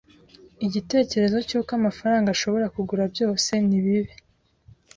Igitekerezo cy'uko amafaranga ashobora kugura byose ni bibi.